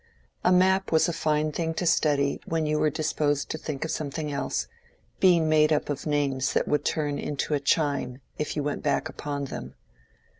A map was a fine thing to study when you were disposed to think of something else, being made up of names that would turn into a chime if you went back upon them.